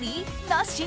なし？